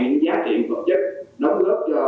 những giá trị thực chất đóng góp cho